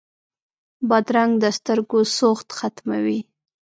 بادرنګ د سترګو سوخت ختموي.